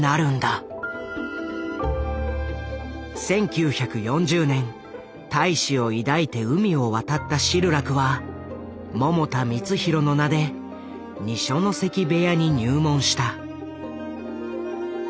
１９４０年大志を抱いて海を渡ったシルラクは百田光浩の名で二所ノ関部屋に入門した。